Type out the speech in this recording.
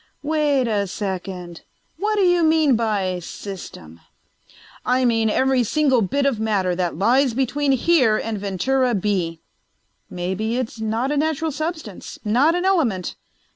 "Wait a second. What do you mean by 'system'?" "I mean every single bit of matter that lies between here and Ventura B." "Maybe it's not a natural substance. Not an element."